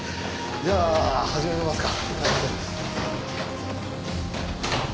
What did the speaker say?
じゃあ始めますか。